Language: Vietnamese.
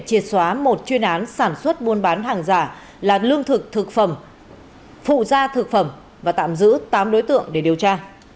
triệt xóa một chuyên án sản xuất buôn bán hàng giả là lương thực thực phẩm phụ gia thực phẩm và tạm giữ tám đối tượng để điều tra